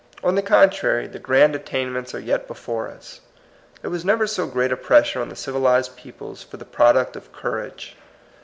On the contrary, the grand attainments are yet before us. There was never so great a pressure on the civilized peoples for the product of courage.